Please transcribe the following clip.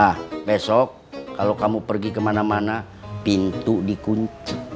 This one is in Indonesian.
nah besok kalau kamu kemana mana pintu dikunci semua sekali